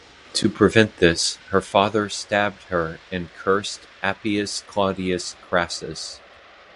To prevent this, her father stabbed her and cursed Appius Claudius Crassus.